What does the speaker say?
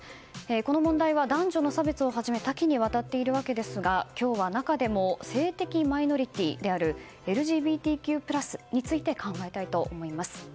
この問題は男女の差別をはじめ多岐にわたっているわけですが今日は、中でも性的マイノリティーであるＬＧＢＴＱ＋について考えたいと思います。